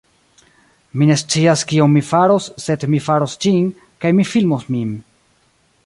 Mi ne scias kion mi faros, sed mi faros ĝin, kaj mi filmos min.